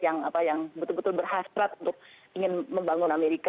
yang betul betul berhasrat untuk ingin membangun amerika